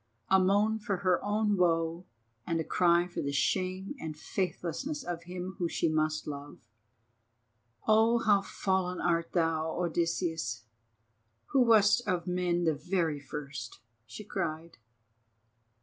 A moan for her own woe and a cry for the shame and faithlessness of him whom she must love. "Oh, how fallen art thou, Odysseus, who wast of men the very first," she cried.